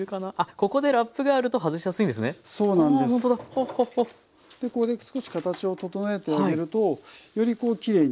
ここで少し形を整えてあげるとよりこうきれいに。